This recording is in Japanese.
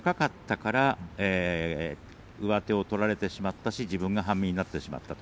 それで上手を取られてしまったし自分が半身になってしまった。